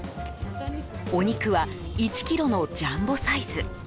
お肉は１ｋｇのジャンボサイズ。